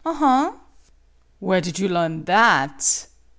Aha! "" Where did you learn that